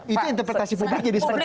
itu interpretasi publik jadi seperti itu